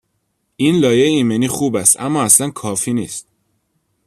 این لایه ایمنی خوب است اما اصلا کافی نیست.